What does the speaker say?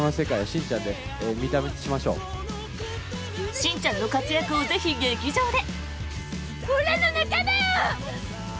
しんちゃんの活躍をぜひ、劇場で！